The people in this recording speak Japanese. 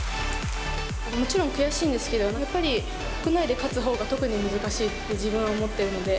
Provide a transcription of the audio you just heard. もちろん悔しいんですけど、やっぱり国内で勝つほうが、特に難しいって自分は思っているので。